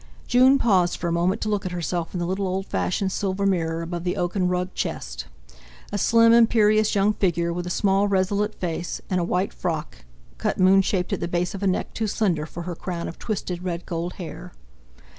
June paused for a moment to look at herself in the little old fashioned silver mirror above the oaken rug chest—a slim, imperious young figure, with a small resolute face, in a white frock, cut moon shaped at the base of a neck too slender for her crown of twisted red gold hair.